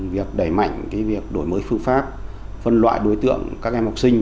việc đẩy mạnh việc đổi mới phương pháp phân loại đối tượng các em học sinh